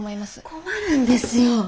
困るんですよ。